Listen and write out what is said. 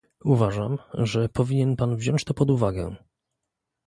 Uważam, że powinien pan wziąć to pod uwagę